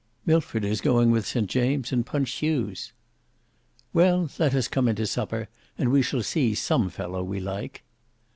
"Milford is going with St James and Punch Hughes." "Well, let us come into supper, and we shall see some fellow we like."